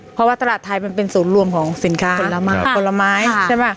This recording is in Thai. เพราะว่าตลาดไทยมันเป็นศูนย์รวมของสินค้าผลไม้ใช่ป่ะ